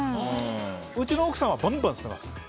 うちの奥さんはバンバン捨てます。